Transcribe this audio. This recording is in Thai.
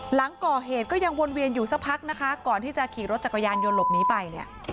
หลังก่อเหตุก็ยังวนเวียนอยู่สักพักนะคะก่อนที่จะขี่รถจักรยานยนต์หลบหนีไปเนี่ย